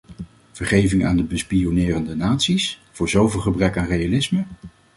Vergeving aan de bespioneerde naties, voor zoveel gebrek aan realisme?